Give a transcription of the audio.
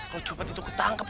kalo copet itu ketangkep